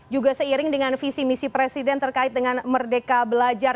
juga seiring dengan visi misi presiden terkait dengan merdeka belajar